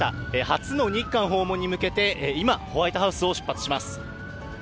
初の日韓訪問に向けて、今、ホワイトハウスを出発します。